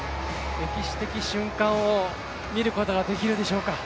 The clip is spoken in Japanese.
歴史的瞬間を見ることができるでしょうか。